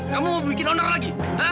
kamu mau bikin oner lagi